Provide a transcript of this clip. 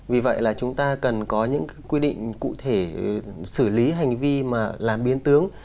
vì vậy là chúng ta cần có những quy định cụ thể xử lý hành vi mà làm biến tướng